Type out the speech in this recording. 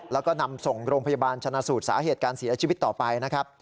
แล้วก็นำส่งโรงพยาบาลชนะสูตรสาเหตุการเสียชีวิตต่อไปนะครับ